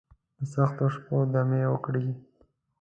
دسختو شپو، دمې وکړي